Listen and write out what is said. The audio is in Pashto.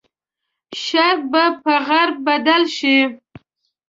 شرق به په غرب بدل شي.